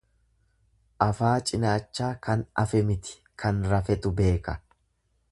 Afaa cinaachaa kan afe miti kan rafetu beeka.